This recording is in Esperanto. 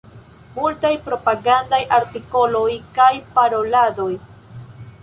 Multaj propagandaj artikoloj kaj paroladoj.